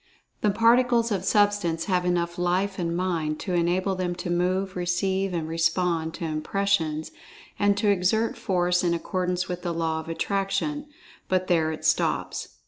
The Particles of Substance have enough Life and Mind to enable them to move, receive and respond to impressions, and to exert force in accordance with the Law of Attraction—but there it stops.